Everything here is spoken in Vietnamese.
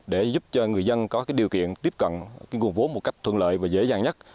để giúp cho người dân có điều kiện tiếp cận nguồn vốn một cách thuận lợi và dễ dàng nhất